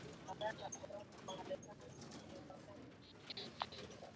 Akagimwagia mvinyo mwingi kwenye jeraha lake